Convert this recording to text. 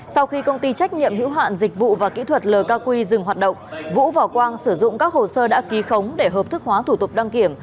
sau khi công ty trách nhiệm hữu hạn dịch vụ và kỹ thuật lk quy dừng hoạt động vũ và quang sử dụng các hồ sơ đã ký khống để hợp thức hóa thủ tục đăng kiểm